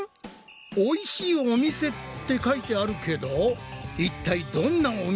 「おいしいお店」って書いてあるけど一体どんなお店なんだ？